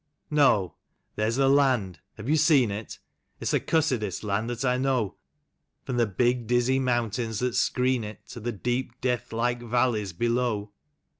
No! There's the land. (Have you seen it?) It's the cussedest land that I know. From the big, dizzy mountains that screen it, To the deep, deathlike valleys below.